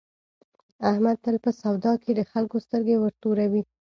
احمد تل په سودا کې د خلکو سترګې ورتوروي.